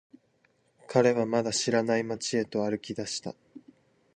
彼はまだ知らない街へと歩き出した。